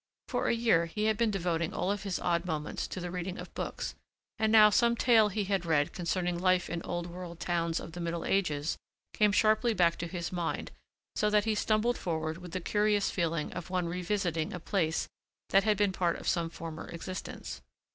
For a year he had been devoting all of his odd moments to the reading of books and now some tale he had read concerning life in old world towns of the middle ages came sharply back to his mind so that he stumbled forward with the curious feeling of one revisiting a place that had been a part of some former existence.